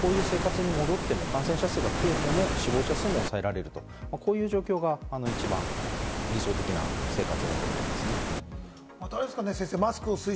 第８波で一番ピークだったので、今後、こういう生活に戻っても感染者数が増えても死亡者数も抑えられると、こういう状況が一番理想的な生活だと思いますね。